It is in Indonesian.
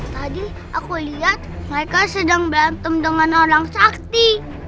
tadi aku lihat mereka sedang berantem dengan orang sakti